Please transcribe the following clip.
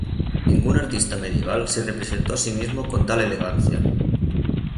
Ningún artista medieval se representó a sí mismo con tal elegancia.